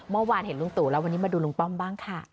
เมื่อวานเห็นลุงตู่แล้ววันนี้มาดูลุงป้อมบ้างค่ะ